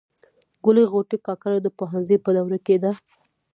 ګل غوټۍ کاکړه د پوهنځي په دوره کي ده.